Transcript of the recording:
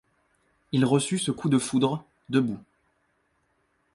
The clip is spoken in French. Il reçut ce coup de foudre, debout.